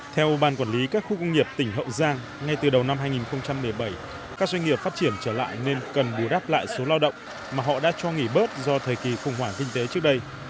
theo ban quản lý các khu công nghiệp tỉnh hậu giang ngay từ đầu năm hai nghìn một mươi bảy các doanh nghiệp phát triển trở lại nên cần bù đắp lại số lao động mà họ đã cho nghỉ bớt do thời kỳ khủng hoảng kinh tế trước đây